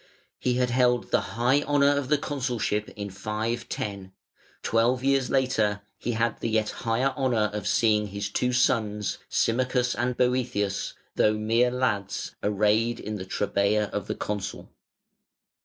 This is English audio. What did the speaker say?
He had held the high honour of the consulship in 510; twelve years later he had the yet higher honour of seeing his two sons, Symmachus and Boëthius, though mere lads, arrayed in the trabea of the consul.